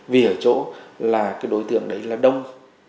vì ở chỗ đối tượng đấy là đông